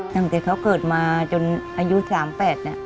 ตั้งแต่เขาเกิดมาจนอายุ๓๘เนี่ย